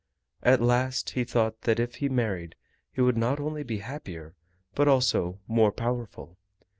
At last he thought that if he married he would not only be happier, but also more powerful.